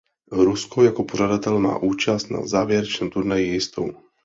Rusko jako pořadatel má účast na závěrečném turnaji jistou.